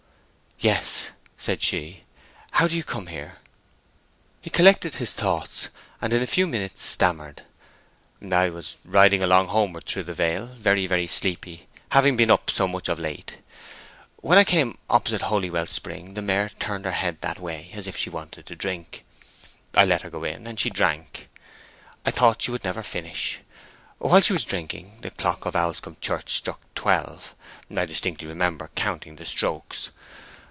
"Yes," said she. "How do you come here?" He collected his thoughts, and in a few minutes stammered, "I was riding along homeward through the vale, very, very sleepy, having been up so much of late. When I came opposite Holywell spring the mare turned her head that way, as if she wanted to drink. I let her go in, and she drank; I thought she would never finish. While she was drinking, the clock of Owlscombe Church struck twelve. I distinctly remember counting the strokes.